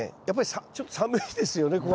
やっぱりちょっと寒いですよね